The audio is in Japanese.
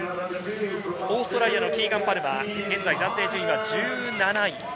オーストラリアのキーガン・パルマー、暫定順位は１７位。